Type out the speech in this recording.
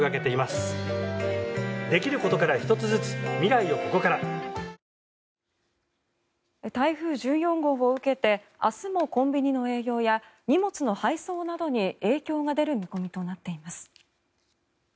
花王台風１４号を受けて明日もコンビニの営業や荷物の配送などに影響が出る見込みとなっています。